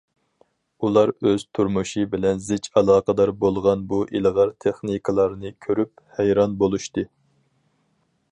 ئۇلار ئۆز تۇرمۇشى بىلەن زىچ ئالاقىدار بولغان بۇ ئىلغار تېخنىكىلارنى كۆرۈپ ھەيران بولۇشتى.